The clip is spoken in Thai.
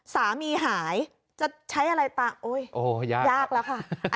สามีหายจะใช้อะไรต่างยากแล้วค่ะ